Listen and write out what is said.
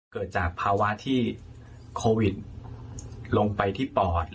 เกิดจากภาวะที่โควิดลงไปที่ปอด